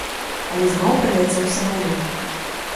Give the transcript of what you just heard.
Але зноў праляцеў самалёт.